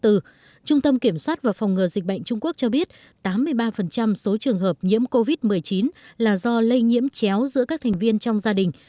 trung tâm kiểm soát và phòng ngừa dịch bệnh trung quốc cho biết tám mươi ba số trường hợp nhiễm covid một mươi chín là do lây nhiễm chéo giữa các thành viên trong gia đình